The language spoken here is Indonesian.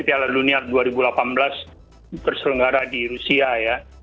piala dunia dua ribu delapan belas terselenggara di rusia ya